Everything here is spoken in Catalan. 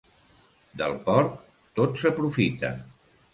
Del porc, tot s'aprofita.